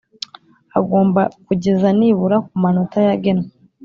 agomba kugeza nibura ku manota yagenwe